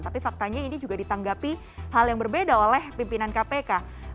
tapi faktanya ini juga ditanggapi hal yang berbeda oleh pimpinan kpk